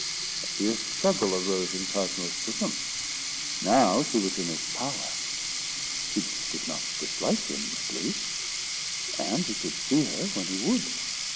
A fierce struggle arose in Cosmo's bosom. Now she was in his power. She did not dislike him at least; and he could see her when he would.